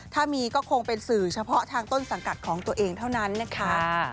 ถ้ามีก็คงเป็นสื่อเฉพาะทางต้นสังกัดของตัวเองเท่านั้นนะคะ